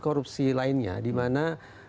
korupsi lainnya dimana